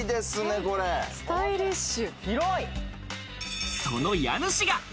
スタイリッシュ！